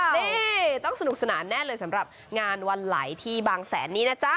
นี่ต้องสนุกสนานแน่เลยสำหรับงานวันไหลที่บางแสนนี้นะจ๊ะ